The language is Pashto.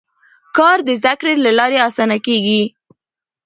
کار د زده کړې له لارې اسانه کېږي